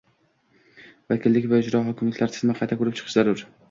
vakillik va ijro hokimiyati tizimini qayta ko‘rib chiqish zarur